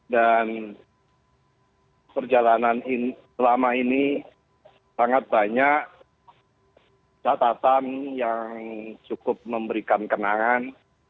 dan perjalanan selama ini sangat banyak catatan yang cukup memberikan kenangan